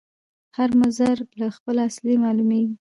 هر مضر له خپله اصله معلومیږي